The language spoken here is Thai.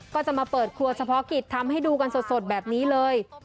ก็จะมาเปิดครัวเฉพาะกิจทำให้ดูกันสดแบบนี้เลย